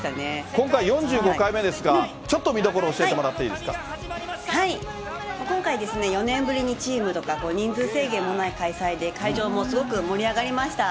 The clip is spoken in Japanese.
今回４５回目ですが、ちょっと見どころ、今回ですね、４年ぶりにチームとか人数制限とかもない開催で、会場もすごく盛り上がりました。